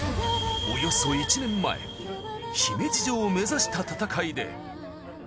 およそ１年前姫路城を目指した戦いで。